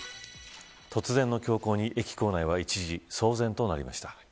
突然の凶行に、駅構内は一時騒然となりました。